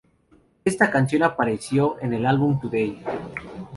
Esta canción apareció en el álbum "Today!